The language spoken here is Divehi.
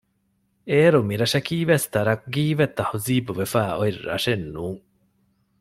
އޭރު މިރަށަކީވެސް ތަރައްޤީވެ ތަހްޒީބުވެފައި އޮތް ރަށެއް ނޫން